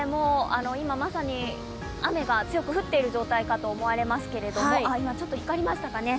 今まさに雨が強く降っている常態かと思われますけれども、今、ちょっと光りましたかね。